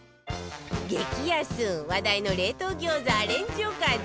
激安話題の冷凍餃子アレンジおかず